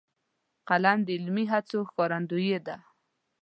قلم د علمي هڅو ښکارندوی دی